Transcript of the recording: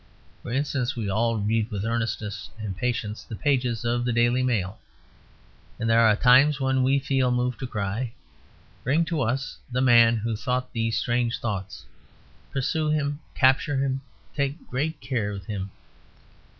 For instance, we all read with earnestness and patience the pages of the 'Daily Mail', and there are times when we feel moved to cry, "Bring to us the man who thought these strange thoughts! Pursue him, capture him, take great care of him.